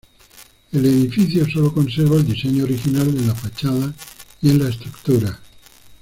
El edificio solo conserva el diseño original en la fachada y en la estructura.